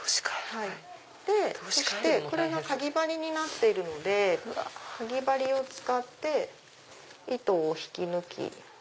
でこれがかぎ針になっているのでかぎ針を使って糸を引き抜き。